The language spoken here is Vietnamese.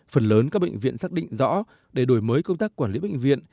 phần lớn các bệnh viện xác định rõ để đổi mới công tác quản lý bệnh viện